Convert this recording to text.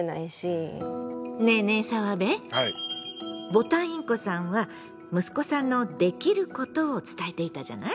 ボタンインコさんは息子さんの「できること」を伝えていたじゃない？